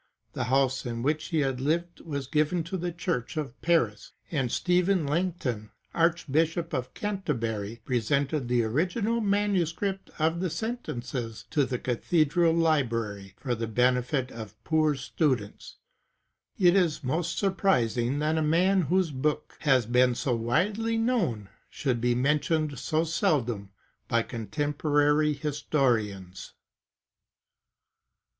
The house in which he had lived was given to the Church of Paris, and Stephen Langton, archbishop of Canterbury, pre sented the original manuscript of the Sentences to the Cathedral Library, for the benefit of poor students.^ It is most surprising that a man whose book has been so widely known, should be mentioned so seldom by contemporary historians.